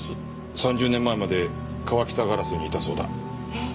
３０年前まで川喜多ガラスにいたそうだ。え！？